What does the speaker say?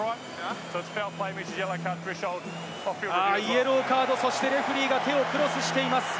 イエローカード、そしてレフェリーが手をクロスしています。